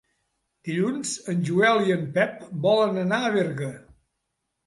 Dilluns en Joel i en Pep volen anar a Berga.